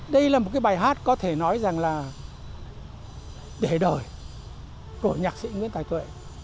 đây là một cái bài hát có thể nói rằng là để đời của nhạc sĩ nguyễn tài tuệ